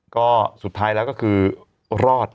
ก็สุดท้ายแล้วก็คือรอด